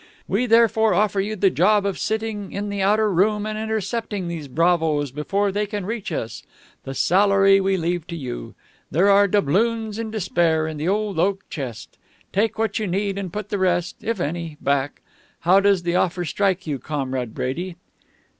We therefore offer you the job of sitting in the outer room and intercepting these bravoes before they can reach us. The salary we leave to you. There are doubloons and to spare in the old oak chest. Take what you need and put the rest if any back. How does the offer strike you, Comrade Brady?"